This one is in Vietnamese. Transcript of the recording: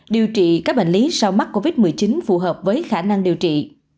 điều trị các bệnh lý sau mắc covid một mươi chín phù hợp với khả năng điều trị